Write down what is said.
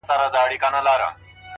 • په زلفو ورا مه كوه مړ به مي كړې ـ